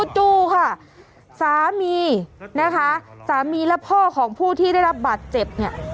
จู่ค่ะสามีนะคะสามีและพ่อของผู้ที่ได้รับบาดเจ็บเนี่ย